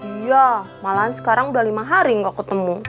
iya malahan sekarang udah lima hari nggak ketemu